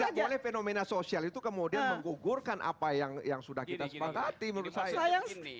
tidak boleh fenomena sosial itu kemudian menggugurkan apa yang sudah kita sepakati menurut saya